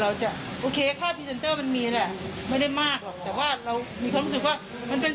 เราก็แฮปปี้ที่จะทำก็หวังแหละที่จะถูกหน่อยนิดหนึ่ง